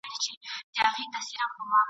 ګیدړ هم له خوشالیه کړې نڅاوي `